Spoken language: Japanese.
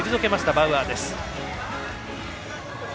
バウアーです。